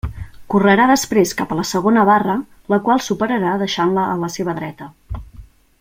Correrà després cap a la segona barra, la qual superarà deixant-la a la seva dreta.